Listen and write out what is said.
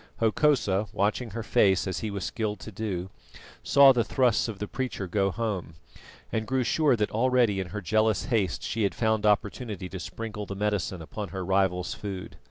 Hokosa, watching her face as he was skilled to do, saw the thrusts of the preacher go home, and grew sure that already in her jealous haste she had found opportunity to sprinkle the medicine upon her rival's food.